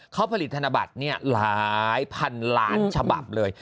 เขาผลิตธนบัตรหลายพันล้านฉบับเลย